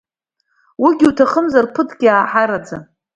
Уигьы уҭахымзар, ԥыҭк иааҳараӡа…